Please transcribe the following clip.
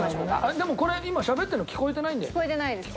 でもこれ今しゃべってるの聞こえてないんだよね？